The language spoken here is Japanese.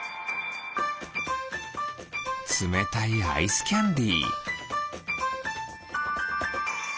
つめたいアイスキャンディー。